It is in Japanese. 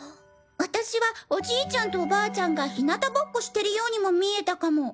私はおじいちゃんとおばあちゃんがひなたぼっこしてるようにも見えたかも。